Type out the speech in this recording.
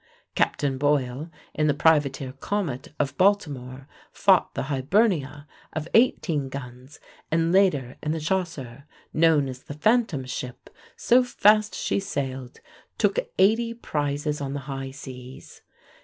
Captain Boyle, in the privateer Comet of Baltimore, fought the Hibernia, of 18 guns, and later in the Chasseur, known as the phantom ship, so fast she sailed, took eighty prizes on the high seas.